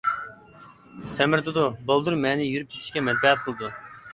سەمرىتىدۇ، بالدۇر مەنىي يۈرۈپ كېتىشكە مەنپەئەت قىلىدۇ.